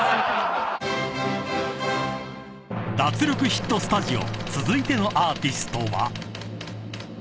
［脱力ヒットスタジオ続いてのアーティストは］